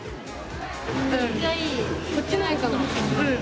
めっちゃいい！